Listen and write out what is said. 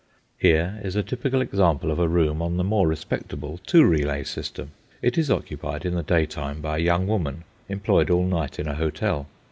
Here is a typical example of a room on the more respectable two relay system. It is occupied in the daytime by a young woman employed all night in a hotel.